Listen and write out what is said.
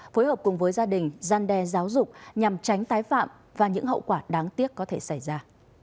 phối hợp cùng với gia đình gian đe giáo dục nhằm tránh tái phạm và những hậu quả đáng tiếc có thể xảy ra